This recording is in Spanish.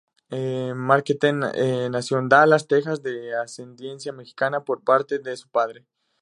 Marquette nació en Dallas, Texas, de ascendencia mexicana por parte de su padre.